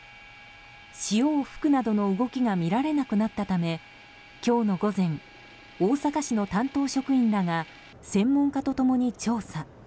潮を吹くなどの動きが見られなくなったため今日の午前大阪市の担当職員らが専門家と共に調査。